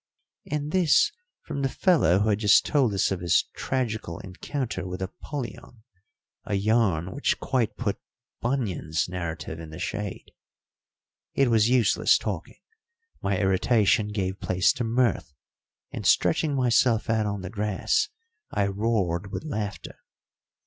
And this from the fellow who had just told us of his tragical encounter with Apollyon, a yarn which quite put Bunyan's narrative in the shade! It was useless talking; my irritation gave place to mirth, and, stretching myself out on the grass, I roared with laughter.